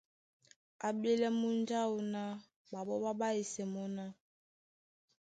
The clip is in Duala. A ɓélɛ́ múnja áō na ɓaɓɔ́ ɓá ɓáísɛ́ mɔ́ ná: